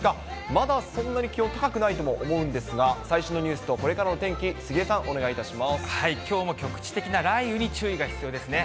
まだそんなきょう、高くないと思うんですが、最新のニュースと、これからの天気、杉江さん、きょうも局地的な雷雨に注意が必要ですね。